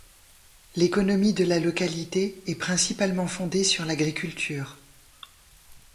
L'économie de la localité est principalement fondée sur l'agriculture.